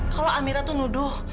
kalau amira itu nuduh